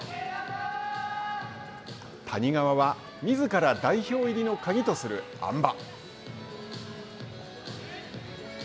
谷川はみずから代表入りの鍵とするあん馬。